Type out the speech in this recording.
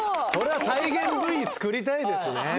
それは再現Ｖ作りたいですね。